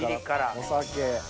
お酒。